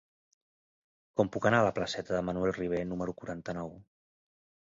Com puc anar a la placeta de Manuel Ribé número quaranta-nou?